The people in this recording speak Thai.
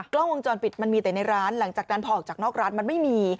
กล้องวงจรปิดมันมีแต่ในร้านหลังจากนั้นพอออกจากนอกร้านมันไม่มี